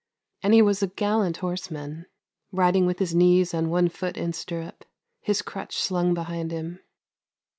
And he was a gallant horse man, riding with his knees and one foot in stirrup, his crutch slung behind him.